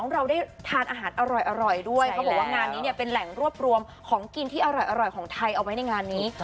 เราได้ทานอาหารอร่อยด้วยเขาบอกว่างานนี้เนี่ยเป็นแหล่งรวบรวมของกินที่อร่อยของไทยเอาไว้ในงานนี้